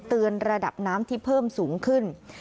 ระดับน้ำที่เพิ่มสูงขึ้น